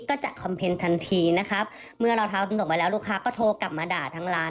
โอ้โหสั่งละเอียดเวอร์เขาบอกแบบนี้